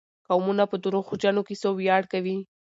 قومونه په دروغجنو کيسو وياړ کوي.